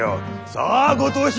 さあご当主！